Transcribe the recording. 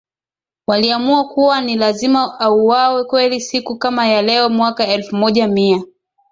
waliamua kuwa ni lazima auwawe Kweli siku kama ya leo mwaka elfu moja Mia